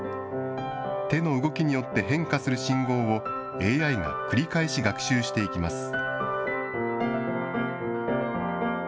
手の動きによって変化する信号を、ＡＩが繰り返し学習していきます。